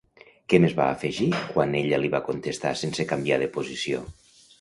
Què més va afegir quan ella li va contestar sense canviar de posició?